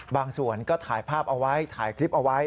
บางส่วนก็ถ่ายภาพเอาไว้ถ่ายคลิปเอาไว้